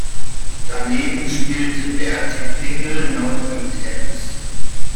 Daneben spielte Berti Pingel noch im Tennis.